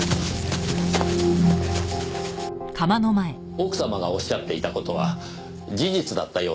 奥様がおっしゃっていた事は事実だったようですねぇ。